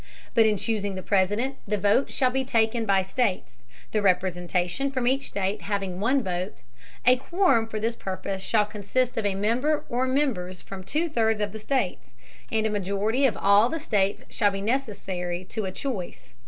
But in choosing the President, the votes shall be taken by states, the representation from each state having one vote; a quorum for this purpose shall consist of a member or members from two thirds of the states, and a majority of all the states shall be necessary to a choice.